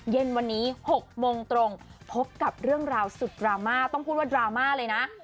เย็นวันนี้๖โมงตรงพบกับเรื่องราวสุดดราม่าต้องพูดว่าดราม่าเลยนะ